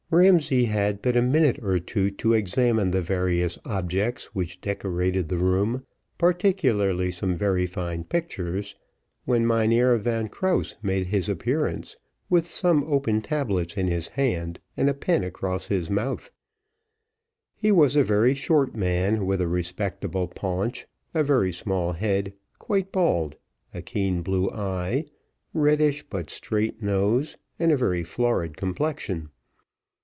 Ramsay had but a minute or two to examine the various objects which decorated the room, particularly some very fine pictures, when Mynheer Van Krause made his appearance, with some open tablets in his hand and his pen across his mouth. He was a very short man, with a respectable paunch, a very small head, quite bald, a keen blue eye, reddish but straight nose, and a very florid complexion.